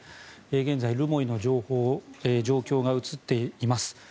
現在、留萌の状況が映っています。